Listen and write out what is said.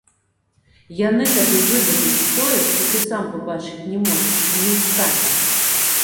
Яны табе выдадуць тое, што ты сам пабачыць не можаш і не ў стане.